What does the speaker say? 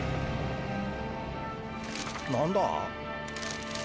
何だ？